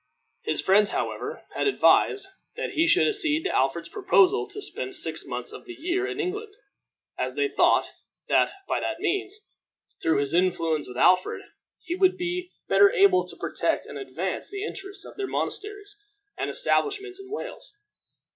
His friends, however, had advised that he should accede to Alfred's proposal to spend six months of the year in England, as they thought that by that means, through his influence with Alfred, he would be the better able to protect and advance the interests of their monasteries and establishments in Wales.